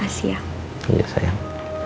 kasih ya iya sayang